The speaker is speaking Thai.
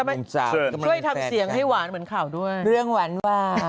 เอ่อเปาเขี้ยงแม่สุดลิด